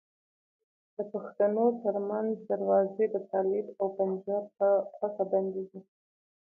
د پښتنو ترمنځ دروازې د طالب او پنجاب په خوښه بندي دي.